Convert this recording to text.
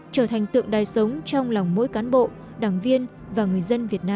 trở thành tượng đài sống trong lòng mỗi cán bộ đảng viên và người dân việt nam